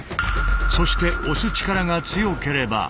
そして押す力が強ければ。